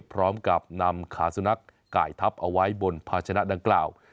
พร้อมกับนำขาสุนัขไก่ทับเอาไว้บนภาชนะดังกล่าว